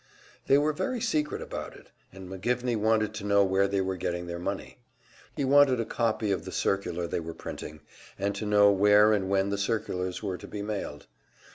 They were very secret about it, and McGivney wanted to know where they were getting their money. He wanted a copy of the circular they were printing, and to know where and when the circulars were to be mailed.